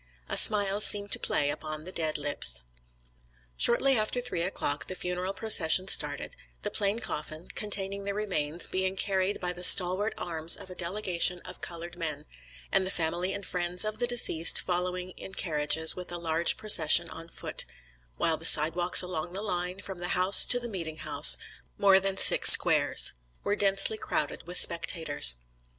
A smile seemed to play upon the dead lips. Shortly after three o'clock the funeral procession started, the plain coffin, containing the remains, being carried by the stalwart arms of a delegation of colored men, and the family and friends of the deceased following in carriages with a large procession on foot, while the sidewalks along the line, from the house to the meeting house, more than six squares, were densely crowded with spectators.